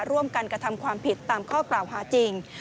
ร่วมกันกระทำความผิดตามข้อกล่าวหาจริง